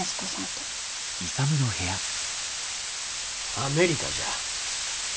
アメリカじゃ。